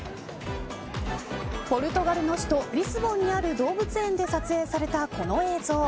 ポルトガルの首都リスボンにある動物園で撮影されたこの映像。